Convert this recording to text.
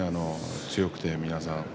強くて皆さん。